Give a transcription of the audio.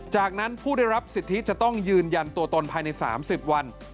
จากนั้นผู้ได้รับสิทธิจะต้องยืนยันตัวตนภายใน๓๐วัน